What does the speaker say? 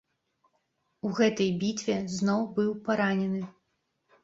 У гэтай бітве зноў быў паранены.